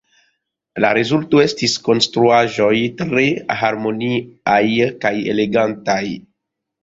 La rezulto estis konstruaĵoj tre harmoniaj kaj elegantaj.